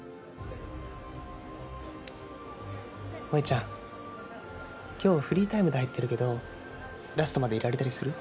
萌ちゃん今日フリータイムで入ってるけどラストまでいられたりする？